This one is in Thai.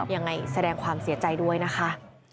แสดงความเสียใจด้วยนะคะ